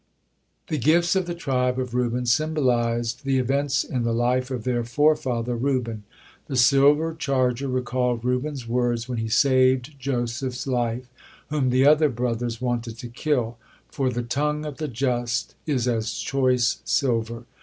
The gifts of the tribe of Reuben symbolized the events in the life of their forefather Reuben. The silver charger recalled Reuben's words when he saved Joseph's life, whom the other brothers wanted to kill, for "the tongue of the just is as choice silver."